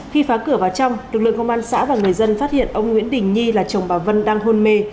khi phá cửa vào trong lực lượng công an xã và người dân phát hiện ông nguyễn đình nhi là chồng bà vân đang hôn mê